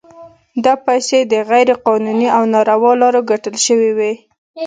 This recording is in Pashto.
دا پیسې د غیر قانوني او ناروا لارو ګټل شوي وي.